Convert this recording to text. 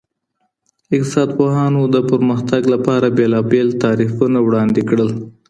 اقتصاد پوهانو د پرمختګ لپاره بېلابېل تعریفونه وړاندې کړل.